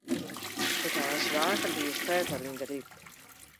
Ik ha in swager, dy is ferver yn de Ryp.